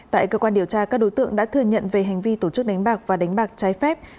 tại cơ quan điều tra các đối tượng đã thừa nhận về hành vi tổ chức đánh bạc và đánh bạc trái phép